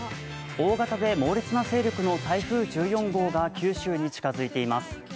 大型で猛烈な勢力の台風１４号が九州に近づいています。